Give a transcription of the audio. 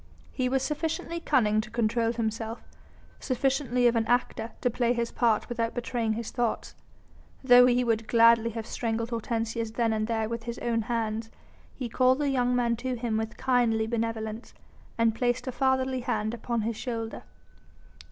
He was sufficiently cunning to control himself, sufficiently of an actor to play his part without betraying his thoughts. Though he would gladly have strangled Hortensius then and there with his own hands, he called the young man to him with kindly benevolence and placed a fatherly hand upon his shoulder.